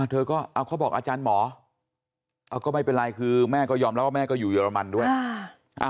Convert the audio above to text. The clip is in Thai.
อ่าเธอก็อ่าเขาบอกอาจารย์หมออ่าก็ไม่เป็นไรคือแม่ก็ยอมแล้วว่าแม่ก็อยู่เยอรมันด้วยอ่า